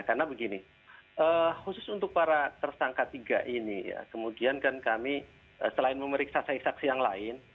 karena begini khusus untuk para tersangka tiga ini ya kemudian kan kami selain memeriksa saksi saksi yang lain